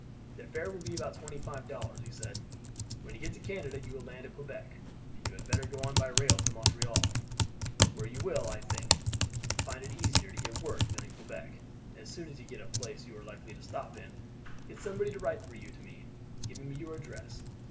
"The fare will be about twenty five dollars," he said. "When you get to Canada you will land at Quebec, and you had better go on by rail to Montreal, where you will, I think, find it easier to get work than at Quebec. As soon as you get a place you are likely to stop in, get somebody to write for you to me, giving me your address.